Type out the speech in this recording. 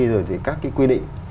rồi các cái quy định